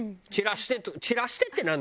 「散らして」って。